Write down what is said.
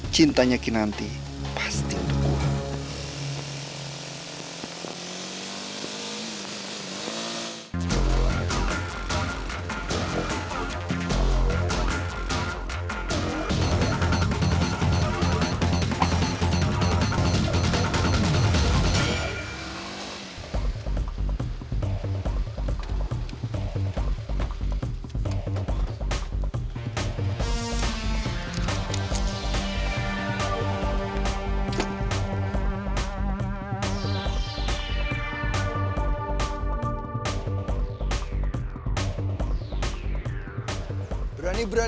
cintanya kinanti pasti untuk gue